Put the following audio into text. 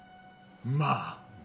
まあ。